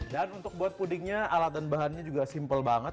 dan untuk buat pudingnya alat dan bahannya juga simple banget